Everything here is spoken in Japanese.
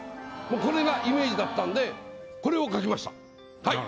これがイメージだったんでこれを書きましたはい。